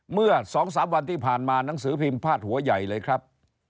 เมื่อ๒๓วันที่ผ่านมาหนังสือพิมพ์พาดหัวใหญ่เลยครับ